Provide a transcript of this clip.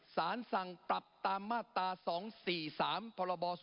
สารสั่งปรับตามมาตรา๒๔๓พรบ๒